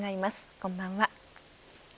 こんばんは。